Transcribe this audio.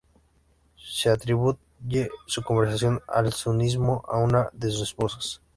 Se atribuye su conversión al sunismo a una de sus esposas.